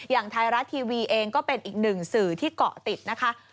อย่างไทยรัฐทีวีเองก็เป็นอีกหนึ่งสื่อที่เกาะติดนะคะ